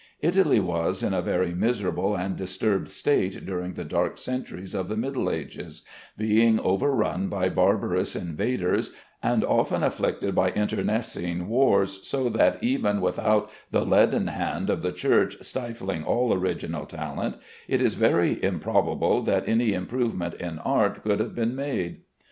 Italy was in a very miserable and disturbed state during the dark centuries of the Middle Ages, being overrun by barbarous invaders and often afflicted by internecine wars, so that even without the leaden hand of the Church stifling all original talent, it is very improbable that any improvement in art could have been made.